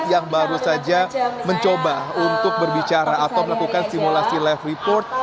yang baru saja mencoba untuk berbicara atau melakukan simulasi live report